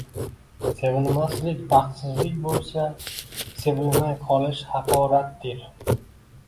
Sevilmaslik baxtsizlik bo’lsa, sevilmay qolish haqoratdir.